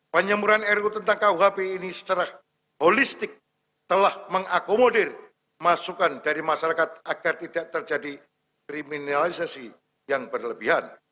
penyemuran ru tentang kuhp ini secara holistik telah mengakomodir masukan dari masyarakat agar tidak terjadi kriminalisasi yang berlebihan